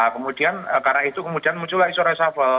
kemudian karena itu kemudian muncul isu resapel